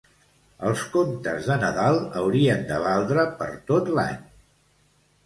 Els contes de Nadal haurien de valdre per tot l'any.